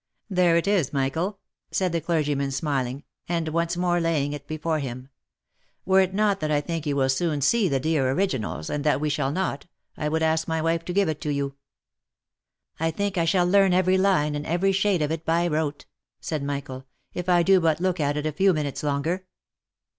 '« There it is, Michael," said the clergyman smiling, and once more laying it before him. " Were it not that I think you will so soon see the dear originals, and that we shall not, I would ask my wife to give it you." " I think I shall learn every line, and every shade of it by rote," said Michael, " if I do but look at it a few minutes longer.